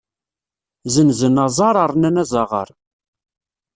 Zenzen aẓar rnan azaɣaṛ.